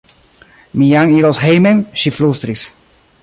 Mi jam iros hejmen, ŝi flustris.